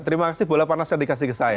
terima kasih bola panas yang dikasih ke saya